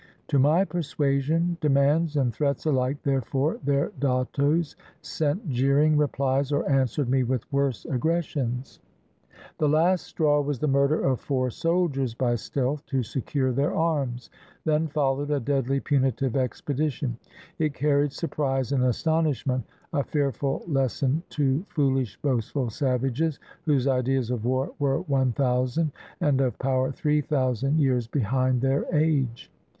To my persuasion, demands, and threats alike, therefore, their dattos sent jeering replies or answered me with worse aggressions. The 559 ISLANDS OF THE PACIFIC last straw was the murder of four soldiers by stealth, to secure their arms. Then followed a deadly punitive expedition. It carried surprise and astonishment, a fearful lesson to foolish, boastful savages whose ideas of war were one thousand, and of power three thousand years behind their age.